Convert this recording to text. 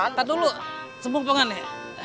ntar dulu sembung pengen nih